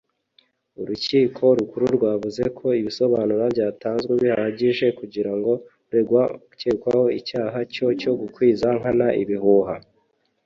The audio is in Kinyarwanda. Urukiko Rukuru rwavuze ko ibisobanura byatanzwe bihagije kugira ngo uregwa akekweho icyaha cyo cyo gukwiza nkana ibihuha